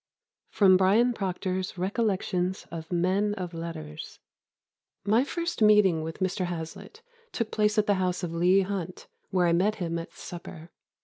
[Sidenote: Bryan Procter's Recollections of Men of Letters.] "My first meeting with Mr. Hazlitt took place at the house of Leigh Hunt, where I met him at supper.